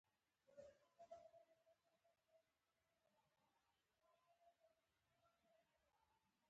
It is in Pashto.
او انسان ورو ورو ډپرېشن ته بيائي